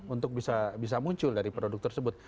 untuk bisa muncul dari produk tersebut